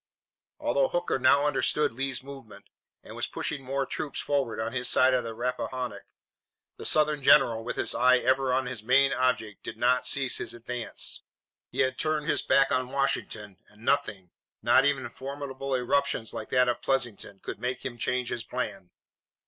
Although Hooker now understood Lee's movement, and was pushing more troops forward on his side of the Rappahannock, the Southern general, with his eye ever on his main object, did not cease his advance. He had turned his back on Washington, and nothing, not even formidable irruptions like that of Pleasanton, could make him change his plan.